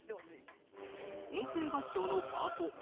混声合唱のパート。